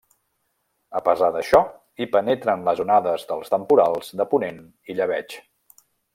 A pesar d'això, hi penetren les onades dels temporals de ponent i llebeig.